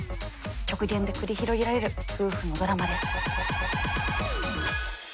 極限で繰り広げられる夫婦のドラマです。